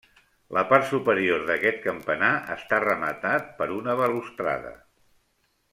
La part superior d'aquest campanar està rematat per una balustrada.